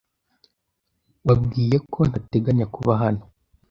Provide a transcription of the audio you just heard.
Wabwiye ko ntateganya kuba hano?